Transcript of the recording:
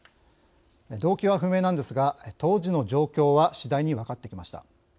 動機は不明なんですが当時の状況はしだいに分かってきました。